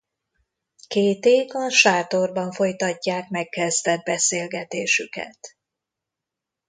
Kate-ék a sátorban folytatják megkezdett beszélgetésüket.